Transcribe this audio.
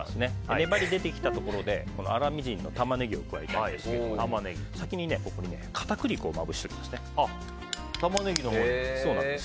粘りが出てきたところで粗みじんのタマネギを加えるんですが先にここにタマネギの上に。